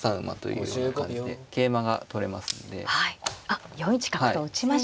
あっ４一角と打ちました。